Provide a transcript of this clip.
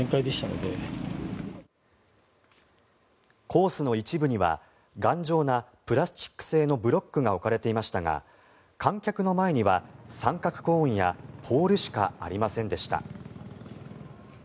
コースの一部には、頑丈なプラスチック製のブロックが置かれていましたが観客の前には三角コーンやポールしかありませんでした。